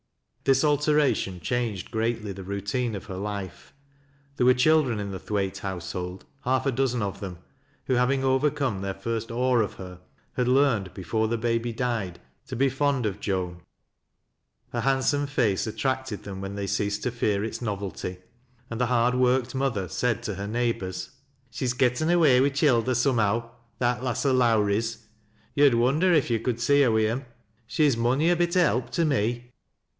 This alteration changed greatly the routine of her life. There were children in the Tliwaite household — ^half a dozen of them — who, having overcome their first awe oi her, had learned before the baby died to be fond of Jof ji. Her handsome face attracted them when they ceased to fear its novelty ; and the hard worked mother said to hei ueighbors :" She's getten a way wi' childer, somehow, — that lass o' Lowrie's. To'd wonder if yo' could see her wi' 'eni She's mony a bit o' help to me." FATE.